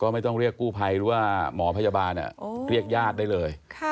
ไม่ต้องเรียกกู้ภัยหรือว่าหมอพยาบาลเรียกญาติได้เลย